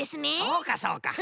そうかそうか。